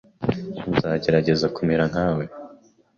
Nzagerageza kumera nkawe.